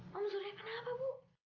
mas surya kenapa bu